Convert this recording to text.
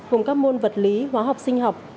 gồm các môn vật lý hóa học sinh học